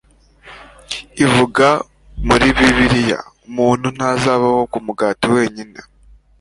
Ivuga muri Bibiliya, "Umuntu ntazabaho ku mugati wenyine."